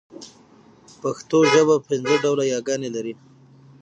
پښتو ژبه پنځه ډوله ي لري.